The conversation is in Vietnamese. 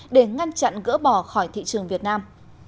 để ngăn chặn gỡ bỏ khỏi thị trường việt nam